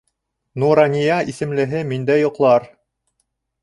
Нурания исемлеһе миндә йоҡлар.